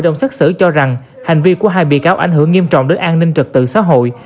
hội đồng xét xử cho rằng hành vi của hai bị cáo ảnh hưởng nghiêm trọng đến an ninh trật tự xã hội